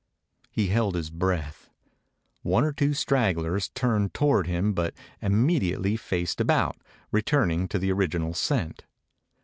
He held his breath. One or two stragglers turned toward him but immediately faced about, returning to the original scent.